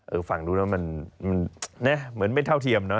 เออฟังดูนะมันเนี่ยเหมือนไม่เท่าเทียมเนอะ